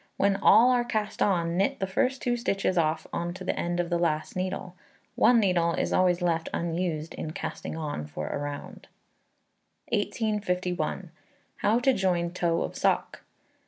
When all are cast on, knit the first 2 stitches off on to the end of the last needle. One needle is always left unused in casting on for a round. 1851. How to Join Toe of Sock, &c.